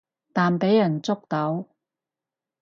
但畀人捉到